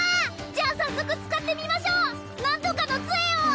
じゃあ早速使ってみましょう何とかの杖を！